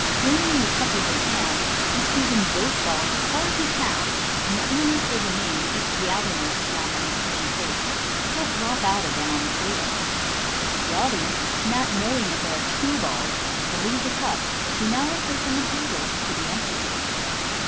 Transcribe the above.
Bringing the cup over the hand, you squeeze in hoth balls as far as you can, when the innermost will remain, but the outermost, not having sufficient space, will drop out again on the table. The audience, not knowing that there are two balls, believe the cup, which you now replace on the table, to be empty.